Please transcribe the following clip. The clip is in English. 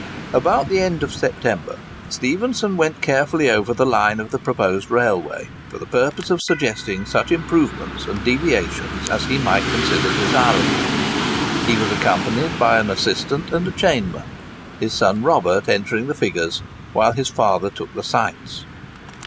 About the end of September, Stephenson went carefully over the line of the proposed railway, for the purpose of suggesting such improvements and deviations as he might consider desirable. He was accompanied by an assistant and a chainman,—his son Robert entering the figures while his father took the sights.